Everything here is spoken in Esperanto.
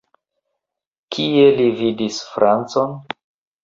Kie li vidis francon?